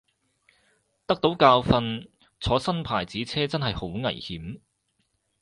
得到教訓，坐新牌子車真係好危險